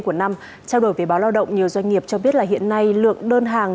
của năm trao đổi về báo lao động nhiều doanh nghiệp cho biết hiện nay lượng đơn hàng